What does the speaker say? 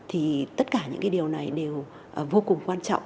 thì tất cả những cái điều này đều vô cùng quan trọng